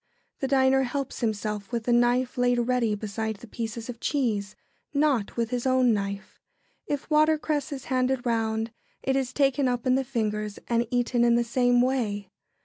] The diner helps himself with the knife laid ready beside the pieces of cheese, not with his own knife. If watercress is handed round, it is taken up in the fingers and eaten in the same way.